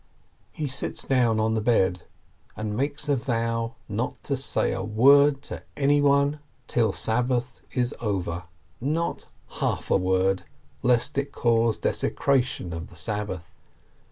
66 PEEEZ He sits down on the bed, and makes a vow not to say a word to anyone till Sabbath is over — not half a word, lest it cause desecration of the Sabbath.